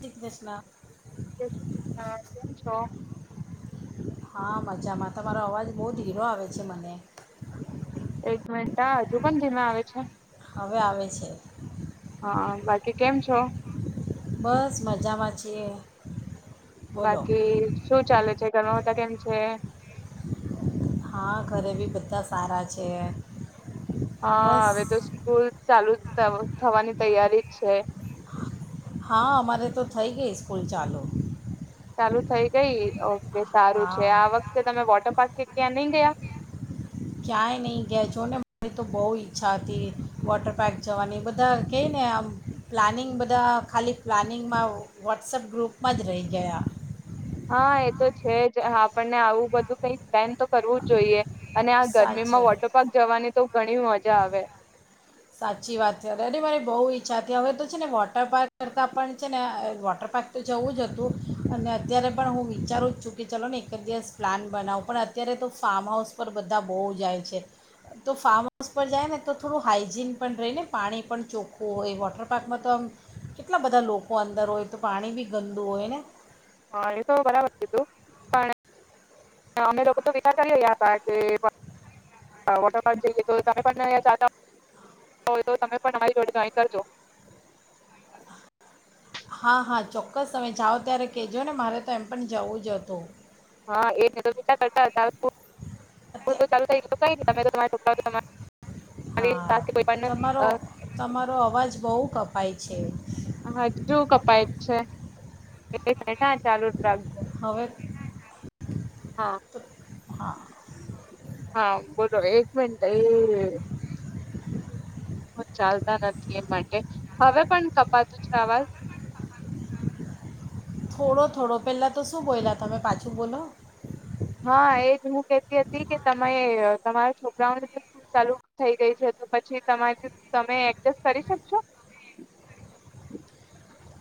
દીખ દસલા જ શ કૃષ્ણ કેમ છો. હા મજામાં તો મારો અવાજ બહુ જ હીરો આવે છે મને એક મિનિટ હા, પણ ધીમે આવે છે. હવે આવે છે. હા બાકી કેમ છો. બસ મજામાંચીએ. બાકી શું ચાલે છે ઘણ કેમ છે. હા ઘરે બી બધ પારા છે. હા બસ હવે તો સ્કૂલ ચાલુ થવાની તૈયારી છે. હા અમારે તો થઈ ગઈ સ્કૂલ ચાલુ. ચાલુ થઈ ગઈ. એ સારું છે હા આ વખતે તમે વોટર પાર્ક કે કે ન દયા ક્યાંય નહીં ગયા છો ને મારી તો બહુ ઈચ્છા હતી વોટર પાર્ક જવાની બધા ક ને આમ પ્લાનિંગ બધા ખાલી પ્લાનિંગમાં વોટ્સએપ ગ્રુપમાં જ રહી ગયા. હા, એ તો છે જ આપણને આવું બધું કઈ પ્લેન તો કરવું જ જોઈએ. અને આ સાચે ગરમીમાં વોટર પાર્ક જવાની તો ઘણી મોજ જા આવેે. સાચી વાત છે રેડી મારે બહુ ઈચ્છા હતી હવે તો છે ને વોટર પાર્ક કરતાં પણ છે ને વોટર પાર્ક તો જવું જ હતું અને અત્યારે પણ હું વિચારું જ છું કે ચાલો ને એક જ દિવસ પ્લાન બનાવું પણ અત્યારે તો ફાર્મ હાઉસ પર બધા બહુ જાય છે. તો ફાર્મ હાઉસ પર જાય ને તો થોડું હાઈ જીન પણ રહીને પાણી પણ ચોખ્ખું હોય વોટર પાર્કમાં તો આમ કેટલા બધા લોકો અંદર હોય તો પાણી બી ગંદુ હોય ને. હા એ તો બરાબર કીધું પણ અમે લોકો તો વિચાર કરી રહ્યા હતા કે વોટર જઈએ તો તમે પણ તમે પણ અમારી જોડે જોઈન કરજો. હા, હા, ચોક્કસ તમે જાઓ ત્યારે કહેજો ને મારે તો એમ પણ જવું જ હતું. હા એ તો કરતા હતા તો ચાલુ અત્યારે થઈ ગયું તમે છોકરા તમા હા તમારો તમારો અવાજ બહુ કપ પાય છે. હજુ કપાય જ છે. બે મિનીટ. ના ચાલુ જ રાખજો. હવે હા હા હા બોલો એક મનટ એ ચાલ તા નથી એ માટે હવે પણ કપાતું છે આવાજ? થોડો થોડો પહેલાં તો શું બોએલા તમે પાછું બોલો? હા એ. હું કેતી હતી કે તમે તમારા છોકરાઓની સ્કૂલ ચાલુ થઈ ગઈ છે તો પછી તમારી તમે એડજસ્ટ કરી શકશો?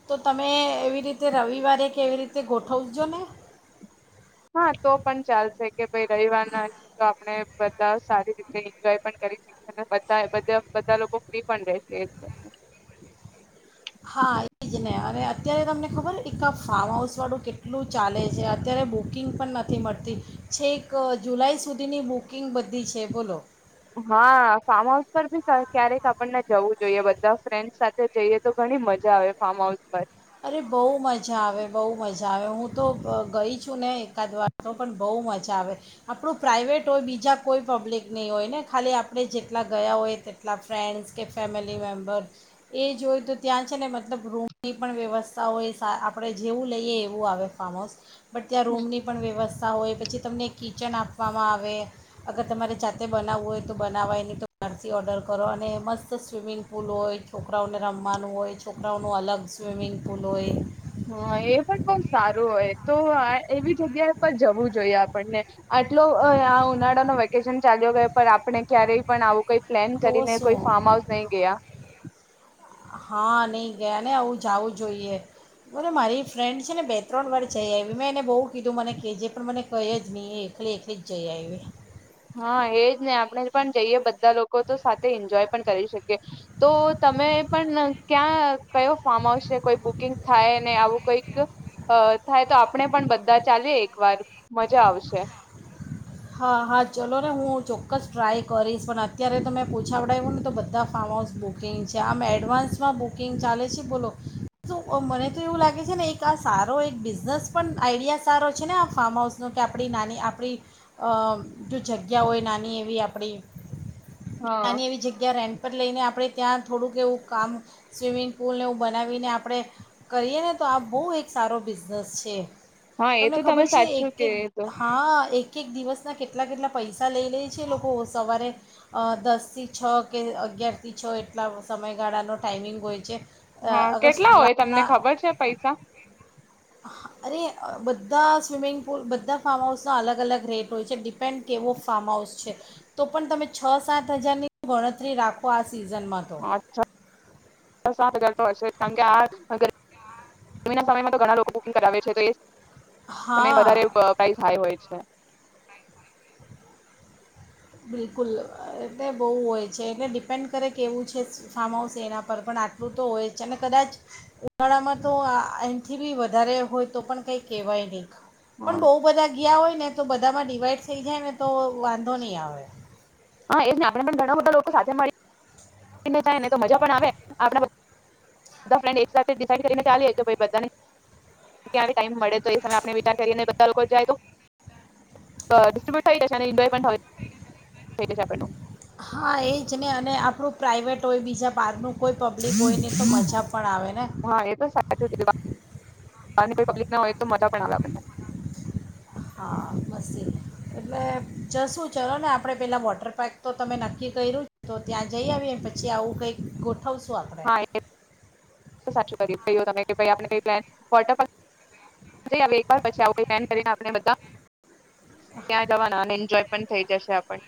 તો તમે એવી રીતે રવિવારે કેવી રીતે ગોઠવજોને. હા તો પણ ચાલશે કે ભ રવિવાર ના હશે તો આપણે બધા સારી રીતે એન્જોય પણ કરી શકશે ને બધા બધે બધા લોકો ફ્રી પણ રહેશે એ દિવસે. હા એ જ ને અને અત્યારે તમને ખબર એક આ ફાર્મ હાઉસ વાળું કેટલું ચાલે છે અત્યારે બુકિંગ પણ નથી મળતી છે એક જુલાઈ સુધીની બુકિંગ બધી છે બોલો. હા ફાર્મ હાઉસ પર ભી ક્યારેક આપણને જવું જોઈએ બધા ફ્રેન્ડસ સાથે જઈએ તો ઘણી મજા આવે ફાર્મ હાઉસ. પર. અરે બહુ મજા આવે બહુ મજા આવે હું તો ગઈ જ. શું ને એકાદ વાર તો પણ બહુ મજા આવે આપણું પ્રાઇવેટ હોય બીજા કોઈ પબ્લિક નહીં હોય ને ખાલી આપણે જેટલા ગયા હોય તેટલા ફ્રેન્ડ્સ કે ફેમિલી મેમ્બર્સ એ જો હોય તો ત્યાં છે ને મતલબ રૂમની. પણ વ્યવસ્થા હોય આપણે જેવું લઈએ એવું આવે ફાર્મ હાઉસ. બટ ત્યાં હમ રૂમની પણ વ્યવસ્થા. હોય પછી તમને કિચન આપવામાં આવે અગર તમારે જાતે બનાવવું હોય તો બનાવાય નહીં તો બહારથી ઓર્ડર કરો અને મસ્ત સ્વિમિંગ પુલ હોય છોકરાઓને રમવાનું હોય છોકરાઓનું અલગ [inaudible] સ્િમિંગ પુલ હોય. હા એ પણ બહુ સારું હોય તો એવી જગ્યા પર જવું જોઈએ આપણને. આટલો આ ઉનાળાનો વેકેશન. ચાલ્યો ગયો પણ આપણે ક્યારેય પણ આવું કઈ. પ્લેન તો કરીને કોઈ શું ફાર્મ હાઉસ નઈ ગયા. હા નહી ગયા ને આવું જવું જોઈએ બોલે મારી ફ્રેન્ડ છે ને બે ત્રણ વાર જઈ આવી મેં એને બહુ. કીધું મને ને કે જે પણ મને કય જનીી એખલી એખલી જ જઈ આવી. હા એજ નહી આપણે પણ જઈએ બધા લોકો તો સાથે એન્જોય પણ કરી શકીએ તો તમે પણ ક્યાં કયો ફારમ હાઉસ છે કોઈ બુકિંગ થાય ને આવું કોઈક થાય તો આપણે પણ બધા ચાલીએ એક વાર. મજા આવશે. હા હા ચલો ને હું ચોક્કસ ટ્રાય કરીશ પણ અત્યારે તો મેં પૂછા વડાવ્યું ને તો બધા ફાર્મ હાઉસ બુકિંગ છે આમ એડવાન્સ. માં બુકિંગ ચાલે છે બોલો. શુ મને તો એવું લાગે છે ને એક આ સારો એક બિઝનેસ પણ આઈડિયા સારો છે ને આ ફાર્મ હાઉસ. કે આપણી નાની આપણી જો જગ્યા હોય નાની એવી આપણી. હા. આની એવી જગ્યા રેન્ટ. પર લઈને આપણે ત્યાં થોડુંક એવું કામ સ્વિમિંગ પુલને એવું બનાવીને આપણે કરીએ ને તો આ બહુ એક સારો બિઝનેસ છે. હા એ તો તમે સાચુ કે હા. એક એક દિવસના કેટલા કેટલા પૈસા લઈ લે છે એલોકો સવારે દસથી છ કે અગિયારથી છ એટલા સમયગાળાનો ટાાઈમિંગ હોય છે. હા અગર કેટલા હોય તમને રાતના ખબર છે પૈસા. હ અરે બધા સ્વિમિંગ. પૂલ બધા ફાર્મ હાઉસના અલગ અલગ રેટ હોય છે ડિપેન્ડ કેવો ફાર્મ હાઉસ છે તો પણ તમે છ સાત હજારની ગણતરી રાખો આ. સીઝનમાં તો. હા સાત હજાર તો હશે કારણ કે આના સમયમાં તો ઘણા લોકો બુકિંગ કરાવે છે તો. તમે વધારે હા પ્રઇસ હાઈ હોય છે. હા બિલકુલ એટલે બહુ હોય છે એટલે ડિપેન્ડ કરે કે એવું છે ફાર્મ હાઉસ એના પર પણ આટલું તો હોય છે અને કદાચ ઉનાળામાં તો એન્થી વધારે હોય તો પણ કંઈ કહેવાય નહીં. પણ હા બઉુ બધા ગયા હોય. ને તો બધામાં ડિવાઈડ થઈ જાય ને તો વાંધો નહીિ આવે. [inaudible] હા, એજને આપને પણ ઘણા બધા લોકો સાથે મળી. જાય, ને તો મજા પણ આવે આપ ફન્, એક સાથે કરીને ચાલી બા ટ મળે વિચાર કરીા તો થ જ. હા, એજ ને અને આપણું પ્રાઇવેટ હોય, બીજા બહાર નું કોઈ પબ્લિક હોય ને તો મજા પ. હા, એ તો સાચું ર વાત. પાની પબ્લિક ના હોય, તો મજા પણ આવે આપણને. હા, મસ્ એટલે જ શું ચલો ને આપણે પેલા વોટર પાર્ક તો તમે નક્કી કર્યું, તો ત્યાં જઈ, આવીએ પછી આવું કંઈક. ગોઠવશું આપણે હા, એ સાચું કરી ક, તમે કે ભ આપણે. વટ પછી, આવ કોઈ, પ્લાન કરીને આપને બધા. ત્યાં જવાના, અને એન્જોય. પણ થઈ, જશે આપણ.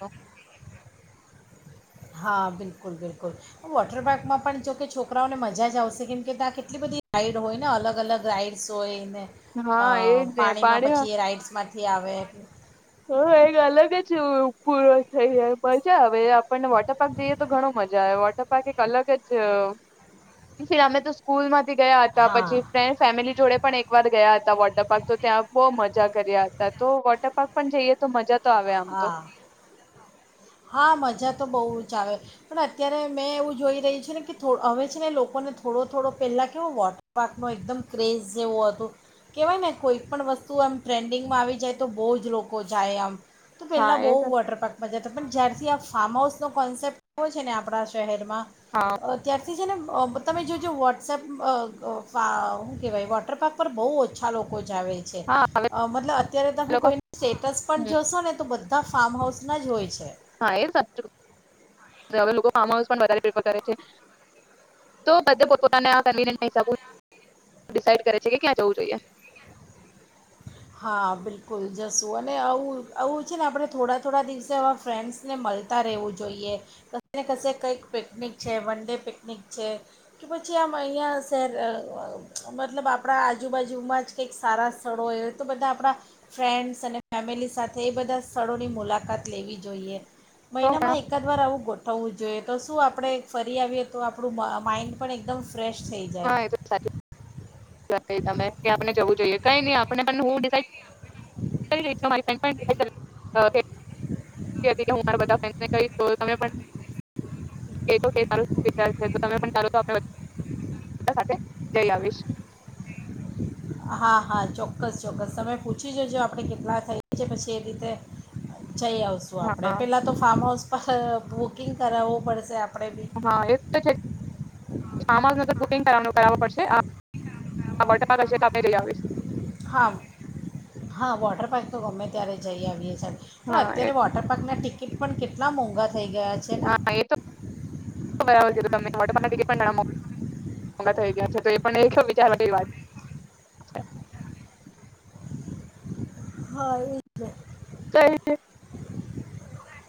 હા, બિલકુલ બિલકુલ વોટર પાર્કમાં પણ જોકે છોકરાઓને, મજા જ આવશે કેમ કે, ત્યાં કેટલી બધી ગાઈડ હોય, ને અલગ અલગ રાઈડ્સ હોય ને. અ હા એજ ને પાણીમાં પછી, એ રાઈડ્સ માટે. અથી, આ આવેે. હા, એક અલગ જ પૂર્વ થઈાય પછા હવે, આપણને વોટર પાર્ક જઈએ, તો ઘણ મજા આવે વોટર પાર્ક, એક અલગ જ ફર અમે તો સ્કૂલમાં. ગયા હતા, પછી હા ફ્રેન્ડ ફેમિલી જોડે પણ એકવાર ગયા, હતા વોટર પાર્ક તો ત્યાં બહુ મજા. જા કર્યા, હતા તો વોટર પાર્ક. પણ, જઈએ તો મજા. તો આવે આમ તો હા, હા મજા તો બહ. જાવ પણ અત્યારે મેં એવું જોઈ ર્યું છે, ને કે થો હવે છે, ને લોકોને થોડો થોડો પહેલાં કેવો વોટર પાર્કનો એકદમ ક્રેઝ જેવું હતું કહેવાય ને કોઈ પણણ વસ્તુ આમ ટ્રેન્ડિંગમાં આવી જાય, તો બહુ જ લોકો જાય આમ. તો હા પેલા બઉુ એ તો વોટર પાર્કમાં, જતા પણ જ્યારથી આ. ફાર્મ હાઉસ નો કોન્સેપ્ટ એવો છે ને આપણા શહેરમાં. હા ત્યાારથી, જેને. તમે જોજો વોટ્સએપ શું કહેવાય, વોટર પાર્ક પર બહુ ઓછા લોકો છે. જ છે, હા હવે મતલબ અત્યારે તમે લોકો કોઈ સ્ટેટસ હમ પણ. ને તો બધા ફાર્મ હાઉસ ના જ હોય, છે. હા, એ ફમ હેે કે્યાં જવું જોઈએ. હા બિલકુલ જશું અને આવું આવું છે, ને આપણે થોડા થોડા દિવસે આવા ફ્રેન્ડ્સને મળતા રહેવું જોઈએ કશે ને કશે કંઈક પિકનિક છે, વન ડે પિકનિક છે, કે પછી આમ અહીં યા શહેર મતલબ આપણા આજુબાજુમાં જ કંઈક સારા સ્થળો એ. તો બધા આપણા ફ્રેન્ડસ અને ફેમિલી, સાથે એ બધા સ્થળોની, મુલાકાત લેવી જોઈએ. તો મહિનામાં, ઘણા એકાદ વાર આવું ગોટ. થવું જોઈએ, તો શું આપણે ફરી આવીએ, તો આપણું માઇન્ડ પણ એકદમ. ફ્રેશ, થઈ જાય. હા એ તો સાચી તમે ક્યાં આપને જવું, જોઈએ. કઈ નહી, આપણે પણ હુંડ કરી. [unintelligible] હું, કહીશ ત પણ કેાર ત પણ ચાલો સાથે જ આવીશ. હા, હા ચોક્કસ ચોક્કસ તમે પૂછી, જજો આપણે કેટલા થઈએ છે, પછી એ રીતે [unintelligible] જઈ, આવશું આપણે હા પહેલાં તો ફાર્મ હાઉસ. [unintelligible] બુકિંગ કરાવવું પડશે. આપણે બી હા એક તો છેમાનગર [unintelligible] [unintelligible] હા હા વોટર પાર્ક તો ગમે ત્યારે જઈ આવીએ છીએ. પણ હા અત્યારે વોટર પાર્કના ટી. પણ કેટલા મોંઘા. થઈ ગયા છે ને. હા [inaudible] વાત. છે. હ એ.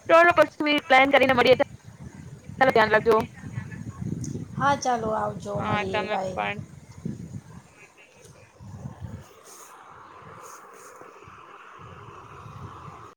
પ્લાન કરીને મળી ધ્યાન રાખજો. હા ચાલો આવજો હા મળીએ તમે ભાઈ. પણ